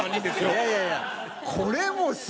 いやいやいや、これ、もうす